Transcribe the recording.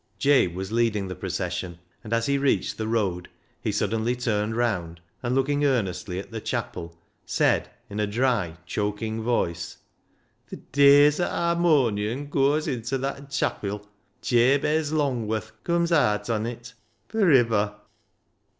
Jabe was leading the procession, and as he reached the road he suddenly turned round, and looking earnestly at the chapel, said in a dry, choking voice —" Th' day as a harmonion goas inta that chapil, Jabez Longworth comes aat on it for iver."